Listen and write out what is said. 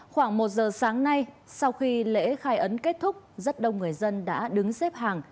khoảng một giờ sáng nay sau khi lễ khai ấn kết thúc rất đông người dân đã đứng xếp hàng